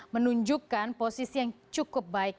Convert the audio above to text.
menunjukkan posisi yang cukup baik